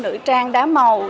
nữ trang đá màu